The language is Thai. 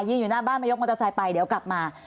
อยู่หน้าบ้านมายกมอเตอร์ไซค์ไปเดี๋ยวกลับมา